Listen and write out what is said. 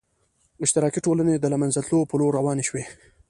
اشتراکي ټولنې د له منځه تلو په لور روانې شوې.